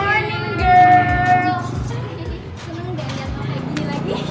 seneng deh aja ngomong kayak gini lagi